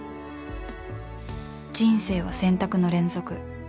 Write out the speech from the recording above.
人生は選択の連続